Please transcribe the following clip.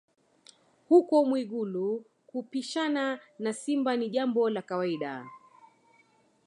Huko Mwigulu kupishana na simba ni jambo la kawaida